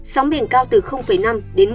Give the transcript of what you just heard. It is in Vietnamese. sóng biển cao từ năm đến một năm m